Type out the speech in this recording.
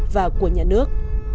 và của nhà nước